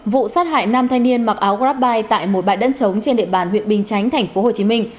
vụ sát hại nam thanh niên mặc áo grabbuy tại một bãi đất trống trên địa bàn huyện bình chánh thành phố hồ chí minh